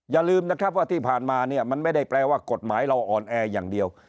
อย่าลืมนะครับว่าที่ผ่านมาเนี่ยมันไม่ได้แปลว่ากฎหมายเราอ่อนแออย่างเดียว